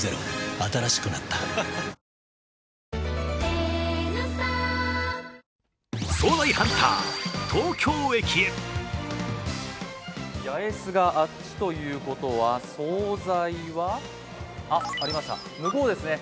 新しくなった八重洲があっちということは総菜はあっ、ありました、向こうですね。